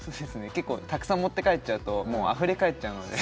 結構、たくさん持って帰っちゃうとあふれかえっちゃうので。